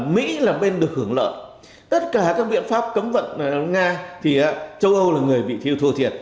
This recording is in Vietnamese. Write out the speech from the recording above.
mỹ là bên được hưởng lợi tất cả các biện pháp cấm vận nga thì châu âu là người bị thiêu thua thiệt